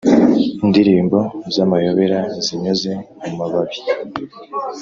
indirimbo z'amayobera zinyuze mu mababi;